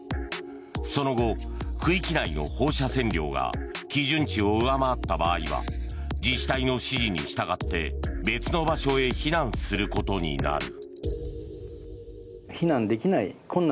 その後、区域内の放射線量が基準値を上回った場合は自治体の指示に従って別の場所へ避難することになる。